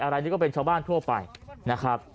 อะไรนี่ก็เป็นชาวบ้านทั่วไปนะครับ